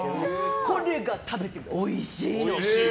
これ食べて、おいしいの！